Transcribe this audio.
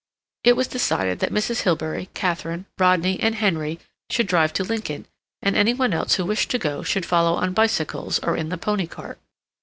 It was decided that Mrs. Hilbery, Katharine, Rodney, and Henry should drive to Lincoln, and any one else who wished to go should follow on bicycles or in the pony cart.